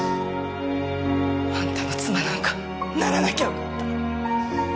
あんたの妻なんかならなきゃよかった。